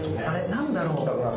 何だろう。